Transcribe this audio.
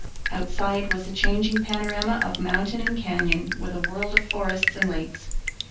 Outside was a changing panorama of mountain and canyon, with a world of forests and lakes.